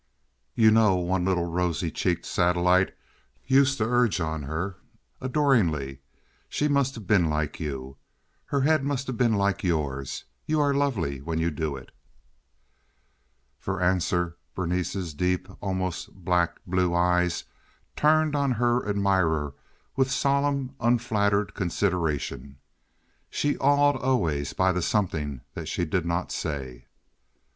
"You know," one little rosy cheeked satellite used to urge on her, adoringly, "she must have been like you. Her head must have been like yours. You are lovely when you do it." For answer Berenice's deep, almost black blue eyes turned on her admirer with solemn unflattered consideration. She awed always by the something that she did not say.